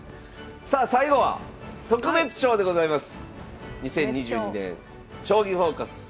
さあ最後は特別賞でございます。